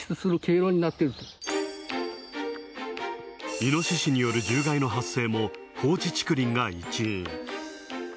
イノシシによる獣害の発生も放置竹林が一因。